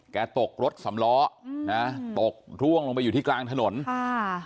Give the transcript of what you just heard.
ตกรถสำล้ออืมนะตกร่วงลงไปอยู่ที่กลางถนนค่ะ